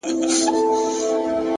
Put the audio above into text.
مثبت انسان هیله خپروي؛